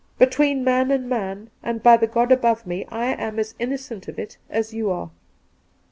Between man and man, and by the God above me, I am as innocent of it as you are.'